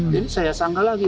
jadi saya sanggah lagi